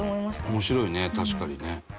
伊達：面白いね、確かにね。